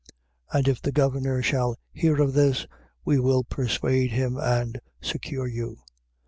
28:14. And if the governor shall hear of this, we will persuade him and secure you.